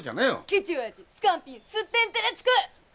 けち親父スカンピンすってんてれつく！